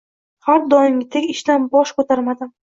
– Har doimgidek, ishdan bosh ko‘tarmadim.